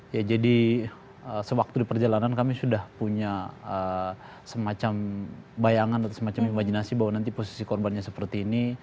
ya jadi sewaktu di perjalanan kami sudah punya semacam bayangan atau semacam imajinasi bahwa nanti posisi korbannya seperti ini